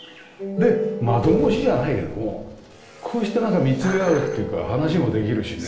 で窓越しじゃないけどもこうしてなんか見つめ合うっていうか話もできるしね。